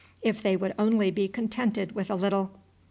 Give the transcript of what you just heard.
If they would only be contented with a little!